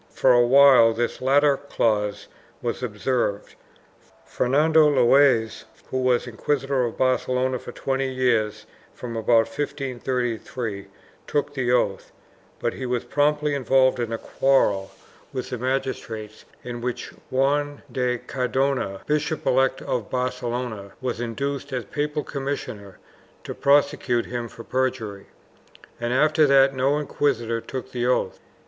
For a while this latter clause was observed. Fernando Loazes, who was inquisitor of Barcelona for twenty years from about 1533, took the oath, but he was promptly involved in a quarrel with the magistrates in which Juan de Cardona, Bishop elect of Barcelona, was induced, as papal commissioner, to prosecute him for perjury, and after that no inquisitor took the oath.